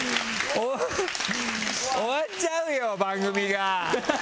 終わっちゃうよ番組が。